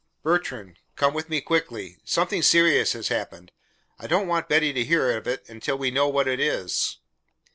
"Bertrand, come with me quickly. Something serious has happened. I don't want Betty to hear of it until we know what it is."